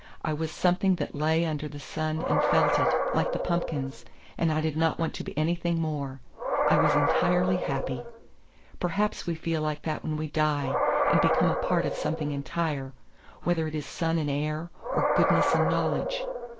I was something that lay under the sun and felt it, like the pumpkins, and I did not want to be anything more. I was entirely happy. Perhaps we feel like that when we die and become a part of something entire, whether it is sun and air, or goodness and knowledge.